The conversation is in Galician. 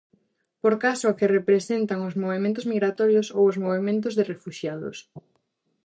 Por caso, a que representan os movementos migratorios, ou os movementos de refuxiados.